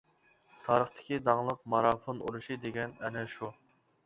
تارىختىكى داڭلىق مارافون ئۇرۇشى دېگەن ئەنە شۇ.